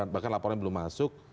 bahkan laporannya belum masuk